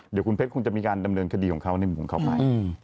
เดี๋ยวคุณเพชรคงจะมีการดำเนินคดีของเขาในมุมของเขาไป